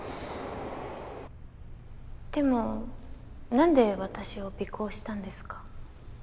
でもなんで私を尾行したんですか？